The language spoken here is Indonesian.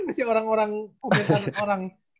masih orang orang bukan orang